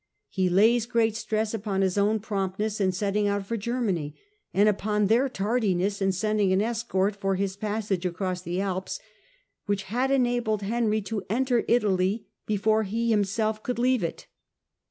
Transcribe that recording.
He lays great stress upon his own promptness in setting out for Germany, and upon their tardiness in sending an escort for his passage across the Alps, which had enabled Henry to enter Italy before he himself could leave it.